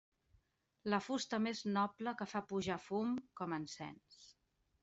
La fusta més noble que fa pujar fum com encens.